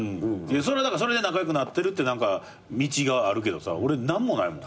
それはだからそれで仲良くなってるって道があるけどさ俺何もないもん。